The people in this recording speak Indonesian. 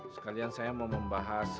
sekalian saya mau membahas